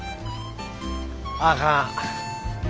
あかん。